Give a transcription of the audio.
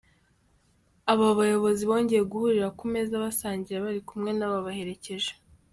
Aba bayobozi bongeye guhurira ku meza basangira bari kumwe n’ababaherekeje.